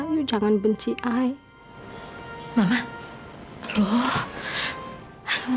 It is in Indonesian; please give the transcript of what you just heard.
ayah jangan benci ayah